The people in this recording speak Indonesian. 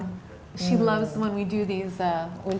dia suka ketika kita melakukan